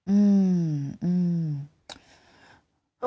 อืมอืม